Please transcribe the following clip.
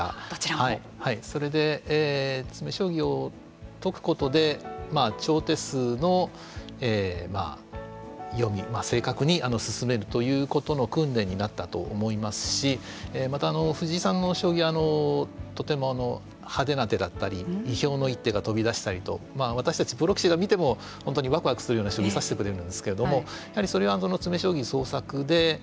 それで詰め将棋を解くことで超手数の読み正確に進めるということの訓練になったと思いますしまた藤井さんの将棋とても派手な手だったり意表の一手が飛び出したりと私たちプロ棋士が見ても本当にわくわくするような将棋指してくれるんですけれどもそれは詰め将棋創作で得られた豊かな発想